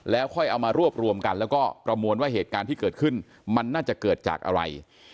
แล้วค่อยเอามารวบรวมกันแล้วก็ประมวลว่าเหตุการณ์ที่เกิดขึ้นมันน่าจะเกิดจากอะไร